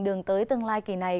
đường tới tương lai kỳ này